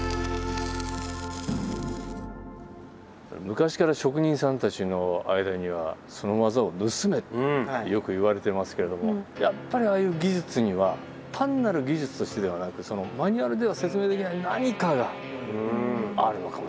昔から職人さんたちの間にはその技を盗めってよく言われてますけれどもやっぱりああいう技術には単なる技術としてではなくマニュアルでは説明できない何かがあるのかもしれませんね。